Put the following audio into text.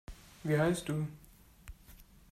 Wie heisst du?